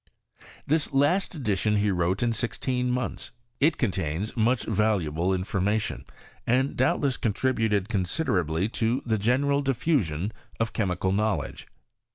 This last editiou he wrote in sixteea months : it contains much valuable information, and doubtless contributed considerably to the general diffusion of chemical knowledge.